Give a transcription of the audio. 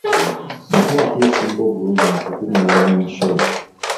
Nkola ki esinga obulungi mu ku kungaanya omusolo?